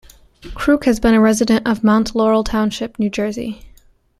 Kruk has been a resident of Mount Laurel Township, New Jersey.